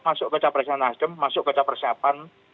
masuk ke caplisnya nasdem masuk ke caplisnya persiapan